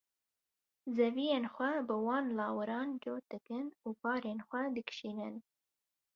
Zeviyên xwe bi wan lawiran cot dikin û barên xwe dikişînin.